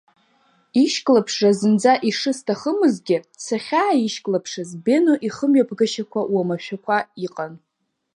Ишьклаԥшра зынӡа ишысҭахымызгьы сахьааишьклаԥшыз, Бено ихымҩаԥгашьақәа уамашәақәа иҟан.